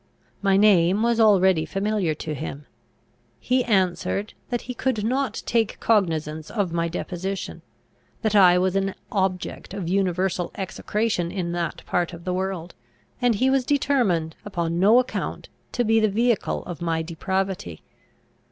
My name was already familiar to him. He answered, that he could not take cognizance of my deposition; that I was an object of universal execration in that part of the world; and he was determined upon no account to be the vehicle of my depravity.